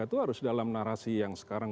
itu harus dalam narasi yang sekarang